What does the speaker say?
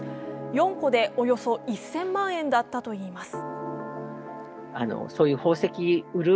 ４個でおよそ１０００万円だったといいます。